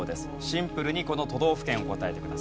シンプルにこの都道府県を答えてください。